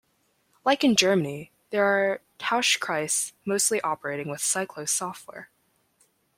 Like in Germany there are Tauschkreise mostly operating with Cyclos Software.